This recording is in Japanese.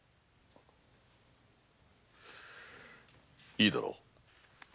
いいだろう。